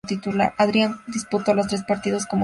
Adrián disputó los tres partidos como titular.